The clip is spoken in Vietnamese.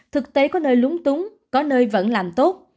thực tế có nơi lúng túng có nơi vẫn làm tốt